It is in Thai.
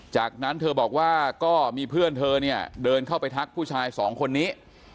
จากนั้นเธอบอกว่าก็มีเพื่อนเธอเนี่ยเดินเข้าไปทักผู้ชายสองคนนี้